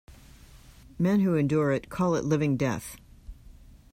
Men who endure it, call it living death.